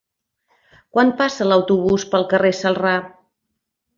Quan passa l'autobús pel carrer Celrà?